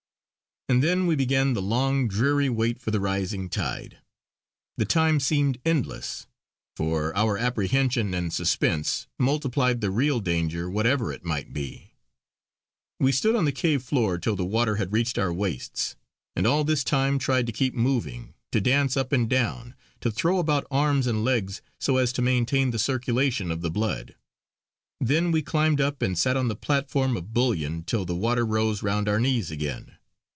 And then we began the long, dreary wait for the rising tide. The time seemed endless, for our apprehension and suspense multiplied the real danger whatever it might be. We stood on the cave floor till the water had reached our waists, and all this time tried to keep moving, to dance up and down, to throw about arms and legs so as to maintain the circulation of the blood. Then we climbed up and sat on the platform of bullion till the water rose round our knees again.